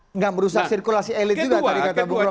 tidak merusak sirkulasi elit juga tadi kata bu rocky